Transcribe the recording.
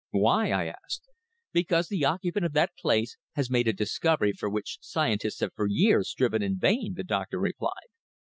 "Why?" I asked. "Because the occupant of that place has made a discovery for which scientists have for years striven in vain," the doctor replied.